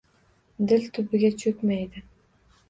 Dil tubiga cho’kmaydi.